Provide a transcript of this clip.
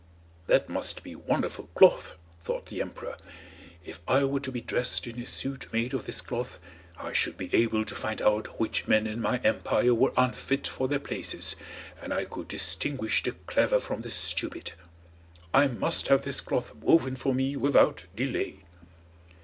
"That must be wonderful cloth," thought the emperor. "If I were to be dressed in a suit made of this cloth I should be able to find out which men in my empire were unfit for their places, and I could distinguish the clever from the stupid. I must have this cloth woven for me without delay."